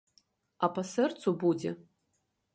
А па сэрцу будзе?